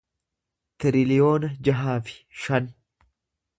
tiriliyoona jaha fi shan